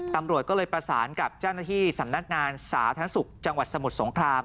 ตำรวจก็เลยประสานกับเจ้าหน้าที่สำนักงานสาธารณสุขจังหวัดสมุทรสงคราม